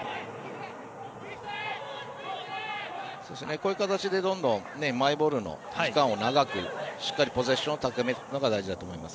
こういう形でどんどんマイボールの時間を長くしっかりポゼッションを保つのが大事だと思います。